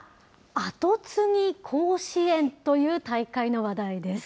アトツギ甲子園という大会の話題です。